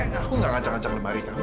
eng aku nggak ngacak ngacak lemari kamu